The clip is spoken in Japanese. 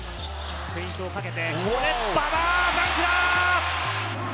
フェイントをかけて、ここで馬場、ダンクだ。